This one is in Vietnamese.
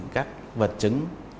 các vật chứng